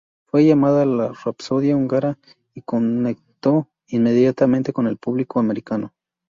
Fue llamada "La Rapsodia Húngara" y conectó inmediatamente con el público americano.